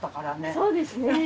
そうですね。